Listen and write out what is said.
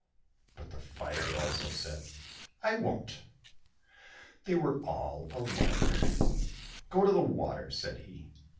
— But the fire also said, " I won't !" (they were all alike) —" go to the water," said he.